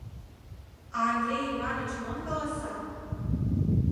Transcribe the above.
— А Андрей Иваныч мом каласа?